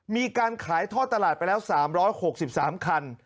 มีการขายท่อตลาดไปแล้ว๓๖๓คัน